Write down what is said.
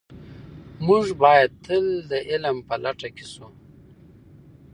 موږ باید تل د علم په لټه کې سو.